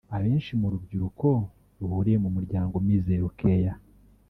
Abenshi mu rubyiruko ruhuriye mu muryango Mizero Care